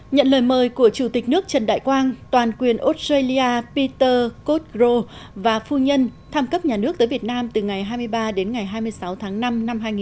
nhận lời mời của chủ tịch nước trần đại quang toàn quyền australia peter cotgro và phu nhân tham cấp nhà nước tới việt nam từ ngày hai mươi ba đến ngày hai mươi sáu tháng năm năm hai nghìn một mươi chín